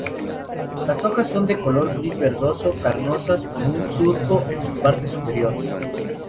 Las hojas son de color gris-verdoso, carnosas, con un surco en su parte superior.